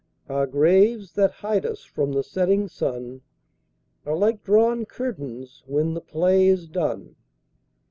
Our graves that hide us from the setting sun Are like drawn curtains when the play is done.